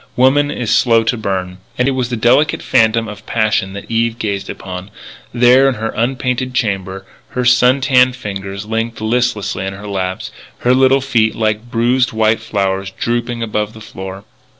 Woman is slow to burn. And it was the delicate phantom of passion that Eve gazed upon, there in her unpainted chamber, her sun tanned fingers linked listlessly in her lap, her little feet like bruised white flowers drooping above the floor.